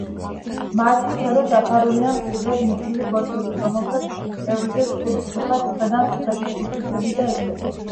მათი ღერო დაფარულია მჭიდროდ მიჯრილი ბორცვებით, რომელთა წევრზე ჯგუფ-ჯგუფად სხედან მჩხვლეტი ბუსუსები და ეკლები.